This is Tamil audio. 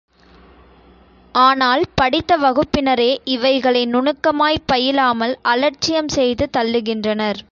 ஆனால், படித்த வகுப்பினரே இவைகளை நுணுக்கமாய்ப் பயிலாமல் அலட்சியம் செய்து தள்ளுகின்றனர்.